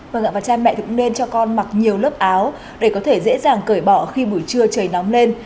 vâng ạ và cha mẹ cũng nên cho con mặc nhiều lớp áo để có thể dễ dàng cởi bỏ khi buổi trưa trời nóng lên